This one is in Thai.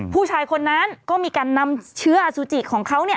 ผู้ชายคนนั้นก็มีการนำเชื้ออสุจิของเขา